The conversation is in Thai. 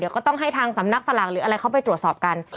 เดี๋ยวก็ต้องให้ทางสำนักฝรั่งถึงเข้าไปตรวจสอบกัน